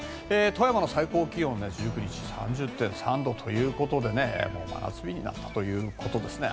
富山の最高気温、１９日３０．３度ということで真夏日になったということですね。